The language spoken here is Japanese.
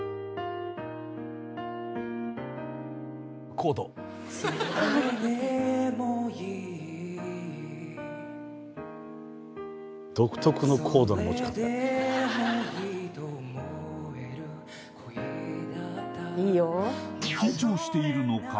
コード独特のコードの持ち方緊張しているのか？